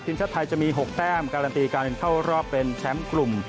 ทีมชาติไทยจะมี๖แต้มการันตีการเข้ารอบเป็นแชมป์กลุ่ม